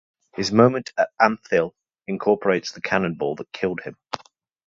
His monument at Ampthill incorporates the cannonball that killed him.